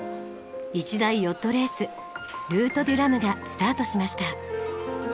一大ヨットレースルートデュラムがスタートしました。